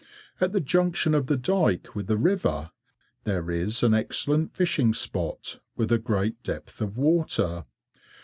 At the junction of the dyke with the river there is an excellent fishing spot, with a great depth of water.